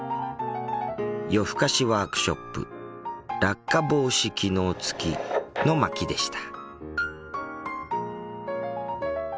夜ふかしワークショップ「落下防止機能つき」の巻でした。